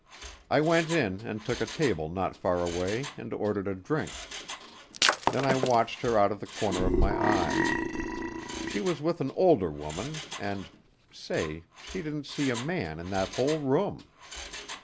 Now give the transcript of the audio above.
I went in and took a table not far away and ordered a drink. Then I watched her out of the corner of my eye. She was with an older woman, and, say she didn't see a man in that whole room.